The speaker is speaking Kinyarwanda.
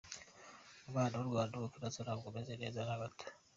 Umubano w’u Rwanda n’u Bufaransa ntabwo umeze neza na gato.